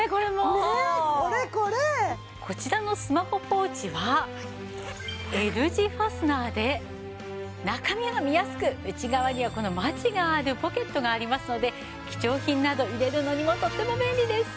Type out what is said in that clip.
こちらのスマホポーチはＬ字ファスナーで中身が見やすく内側にはこのマチがあるポケットがありますので貴重品など入れるのにもとっても便利です！